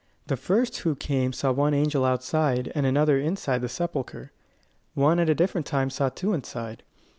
The first who came saw one angel outside and another inside the sepulchre. One at a different time saw two inside.